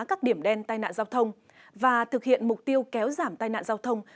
các điểm đen tai nạn giao thông và thực hiện mục tiêu kéo giảm tai nạn giao thông